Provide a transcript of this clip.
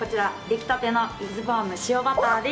出来たて！